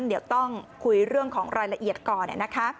เดี๋ยวต้องคุยเรื่องของรายละเอียดก่อนนะคะ